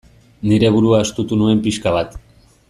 Nire burua estutu nuen pixka bat.